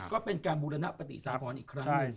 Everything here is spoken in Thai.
ก็เป็นการบูรณปฏิสาหรอีกครั้งหนึ่ง